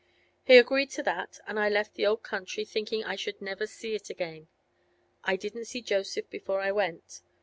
He agreed to that, and I left the old country, little thinking I should ever see it again. I didn't see Joseph before I went.